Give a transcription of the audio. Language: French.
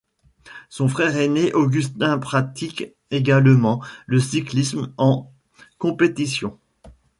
Son frère aîné Agustín pratique également le cyclisme en compétition.